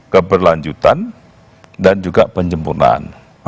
keberlanjutan dan juga penyempurnaan